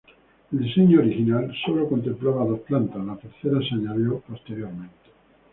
El diseño original solo contemplaba dos plantas, la tercera se añadió posteriormente.